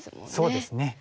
そうですね。